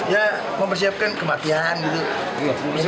ya mempersiapkan kematian gitu